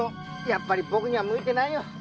やっぱり僕には向いてないよ。